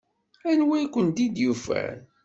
Anwa i kent-id-yufan?